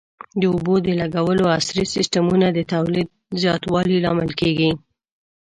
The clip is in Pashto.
د اوبو د لګولو عصري سیستمونه د تولید زیاتوالي لامل کېږي.